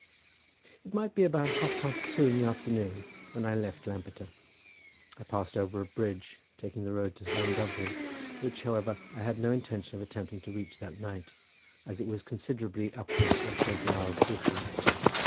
It might be about half past two in the afternoon when I left Lampeter. I passed over a bridge, taking the road to Llandovery which, however, I had no intention of attempting to reach that night, as it was considerably upwards of twenty miles distant.